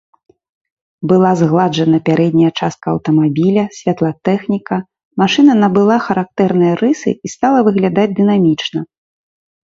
Была згладжана пярэдняя частка аўтамабіля, святлатэхніка, машына набыла характэрныя рысы і стала выглядаць дынамічна.